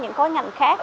những khối ngành khác